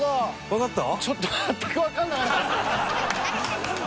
わかった？